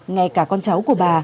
ngay cả con cháu của bà